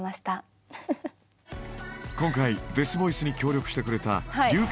今回デスボイスに協力してくれた流血